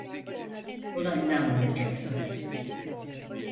Buna inanmayacaksın.